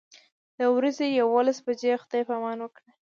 د ورځې یوولس بجې خدای پاماني وکړه.